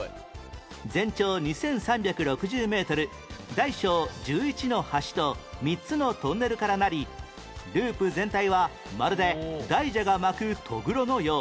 全長２３６０メートル大小１１の橋と３つのトンネルから成りループ全体はまるで大蛇が巻く「とぐろ」のよう